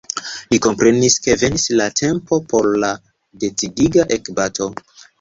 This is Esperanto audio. Li komprenis, ke venis la tempo por la decidiga ekbato.